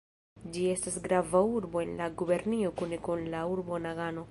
Ĝi estas grava urbo en la gubernio kune kun la urbo Nagano.